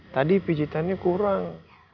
tadi pijitannya kurang